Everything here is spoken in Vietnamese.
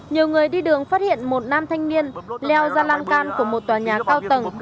nhiều người đi đường phát hiện một nam thanh niên leo ra lan can của một tòa nhà cao tầng